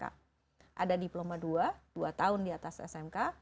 ada diploma dua dua tahun di atas smk